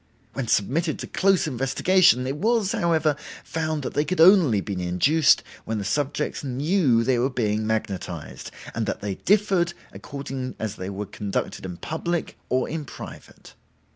When submitted to close investigation, it was, however, found that they could only be induced when the subjects knew they were being magnetized, and that they differed according as they were conducted in public or in private.